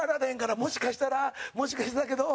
「もしかしたらもしかしてだけど」